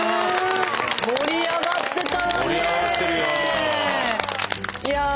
盛り上がってたわね。